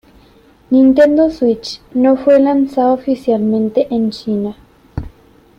Nintendo Switch no fue lanzado oficialmente en China.